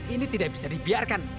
ini tidak bisa dibiarkan